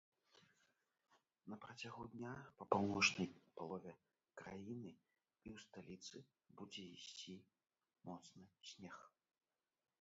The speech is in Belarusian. На працягу дня па паўночнай палове краіны і ў сталіцы будзе ісці моцны снег.